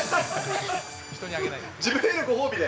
自分へのご褒美で？